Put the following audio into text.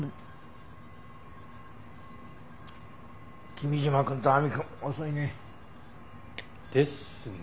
君嶋くんと亜美くん遅いね。ですねえ。